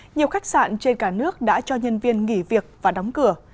nhiều khách sạn trên cả nước đã cho nhân viên nghỉ việc và đóng cửa